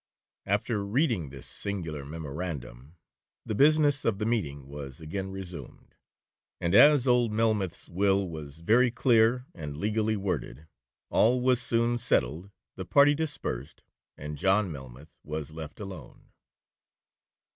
After reading this singular memorandum, the business of the meeting was again resumed; and as old Melmoth's will was very clear and legally worded, all was soon settled, the party dispersed, and John Melmoth was left alone.